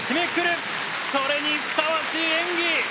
それにふさわしい演技！